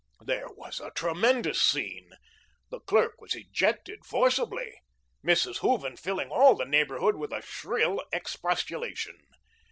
There was a tremendous scene. The clerk was ejected forcibly, Mrs. Hooven filling all the neighbourhood with shrill expostulation.